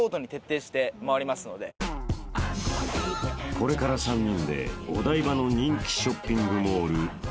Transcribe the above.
［これから３人でお台場の人気ショッピングモールダイバーシティ